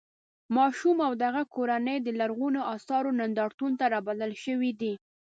ماشوم او د هغه کورنۍ د لرغونو اثارو نندارتون ته رابلل شوي دي.